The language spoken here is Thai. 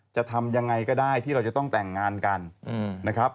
จะทำยังไงก็ได้ที่เราจะต้องแต่งงานกันนะครับ